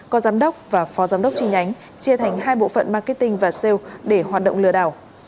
có giám đốc và phó giám đốc chi nhánh chia thành hai bộ phận marketing và sale để hoạt động lừa đảo